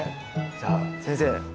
じゃあ先生。